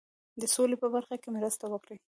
د سولي په برخه کې مرسته وکړي.